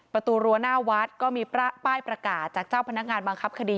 ประตูรั้วหน้าวัดก็มีป้ายประกาศจากเจ้าพนักงานบังคับคดี